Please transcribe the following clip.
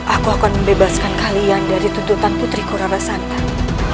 aku akan membebaskan kalian dari tuntutan putriku rara santan